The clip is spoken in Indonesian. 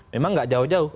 memang tidak jauh jauh